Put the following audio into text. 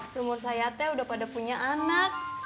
seumur saya teh udah pada punya anak